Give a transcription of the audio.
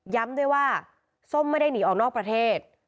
ด้วยว่าส้มไม่ได้หนีออกนอกประเทศ